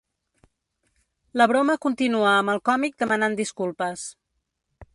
La broma continua amb el còmic demanant disculpes.